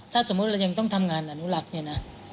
ถ้าสมมุติเรายังต้องทำงานอนุรักษ์เนี่ยนะ